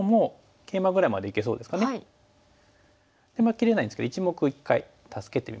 切れないんですけど１目を一回助けてみます。